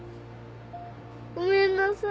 ごめんなさい。